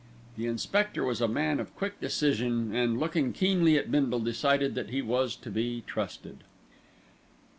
The inspector was a man of quick decision and, looking keenly at Bindle, decided that he was to be trusted.